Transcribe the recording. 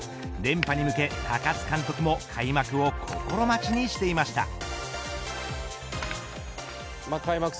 連覇に向け高津監督も開幕を心待ちにしていました。